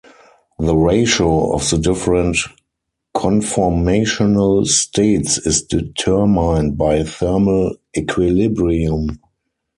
The ratio of the different conformational states is determined by thermal equilibrium.